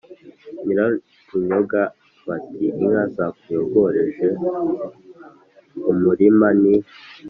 nyirarunyonga bati inka zakuyogorej e u murima ni